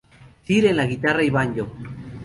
Cyr en la guitarra y banjo.